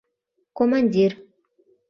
Командир.